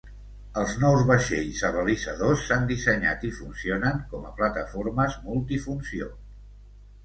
Els nous vaixells abalisadors s'han dissenyat i funcionen com a plataformes multifunció.